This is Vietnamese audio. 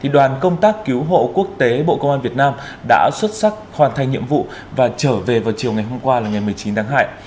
đoàn công tác cứu hộ quốc tế bộ công an việt nam đã xuất sắc hoàn thành nhiệm vụ và trở về vào chiều ngày hôm qua ngày một mươi chín tháng hai